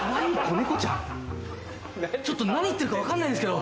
ちょっと何言ってるか分かんないんですけど。